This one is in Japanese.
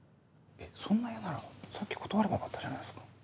そんな嫌ならさっき断ればよかったじゃないですか。